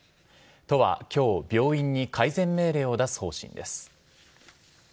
都はきょう、病院に改善命令を出す方針です。